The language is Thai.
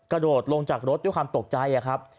กระโดดลงจากรถด้วยความตกใจครับ